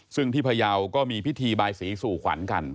ซึ่งที่พยาวก็มีพิธีบายสีสู่ขวัญกัน